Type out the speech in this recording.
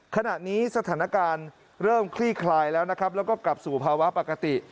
ขณะนี้สถานการณ์เริ่มคลี่คลายแล้วนะครับแล้วก็กลับสู่ภาวะปกติ